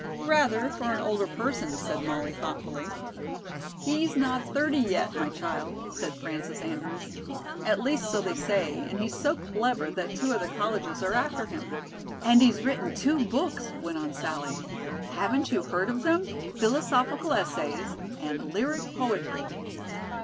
"Rather, for an older person," said Molly thoughtfully. "He's not thirty yet, my child," said Frances Andrews. "At least, so they say, and he's so clever that two other colleges are after him." "And he's written two books," went on Sally. "Haven't you heard of them 'Philosophical Essays' and 'Lyric Poetry.'"